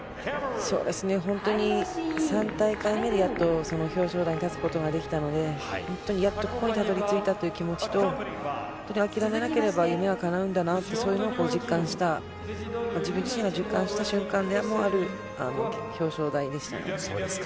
そうですね、本当に、３大会目でやっと表彰台に立つことができたので、本当にやっとここにたどりついたという気持ちと、諦めなければ夢はかなうんだなって、そういうのを実感した、自分自身が実感したそうですか。